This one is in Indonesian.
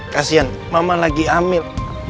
kasian mama lagi amir